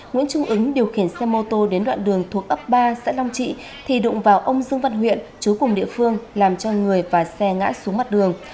nguyễn trung ứng điều khiển xe mô tô đến đoạn đường thuộc ấp ba xã long trị thì đụng vào ông dương văn huyện chú cùng địa phương làm cho người và xe ngã xuống mặt đường